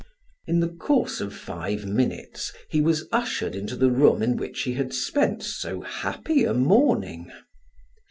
In the course of five minutes he was ushered into the room in which he had spent so happy a morning.